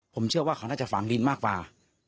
ผมเชื่อว่าเขาน่าจะฝังดินมากกว่า